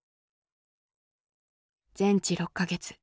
全治６か月。